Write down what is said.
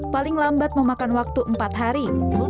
paling lambat memakan waktu empat hari